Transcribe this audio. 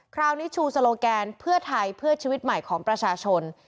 คราวนี้ชูสโลแกนเพื่อไทยเพื่อชีวิตใหม่ของประชาชน